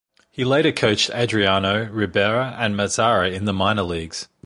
He later coached Adriano, Ribera and Mazara in the minor leagues.